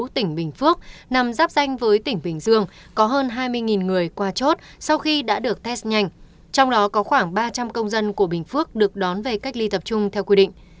trong đó có khoảng ba trăm linh công dân của bình phước được đón về cách ly tập trung theo quy định